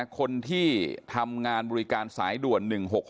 คนที่ทำงานบริการสายด่วน๑๖๖